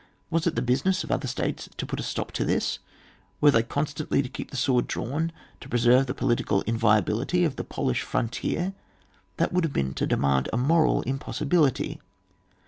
Was it the business of other states to put a stop to this; were they constantly to keep the sword drawn to preserve the political in violability of the Polish frontier ? That would have been to demand a moral impossibility.